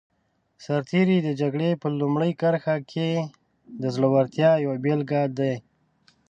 سرتېری د جګړې په لومړي کرښه کې د زړورتیا یوه بېلګه دی.